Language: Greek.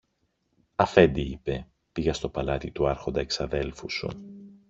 Αφέντη, είπε, πήγα στο παλάτι του Άρχοντα εξαδέλφου σου